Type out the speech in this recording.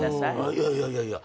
いやいやいやいや。